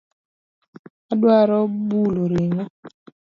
Adwaro bulo ring'o.